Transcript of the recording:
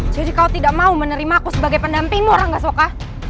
jadi kau tidak mau menerimaku sebagai pendampingmu rangga soka